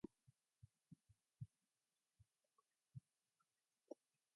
Yet another factor determining import levels was the exchange rate.